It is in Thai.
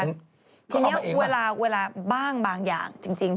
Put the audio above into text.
ทีนี้เวลาบ้างบางอย่างจริง